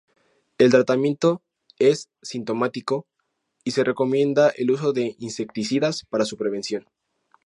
El tratamiento es sintomático, y se recomienda el uso de insecticidas para su prevención.